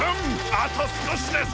あとすこしです！